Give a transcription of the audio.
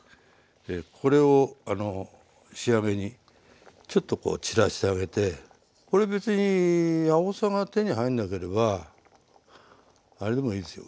これを仕上げにちょっとこう散らしてあげてこれ別にあおさが手に入んなければあれでもいいですよ